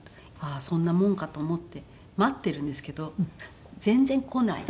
ああそんなもんかと思って待ってるんですけど全然こない。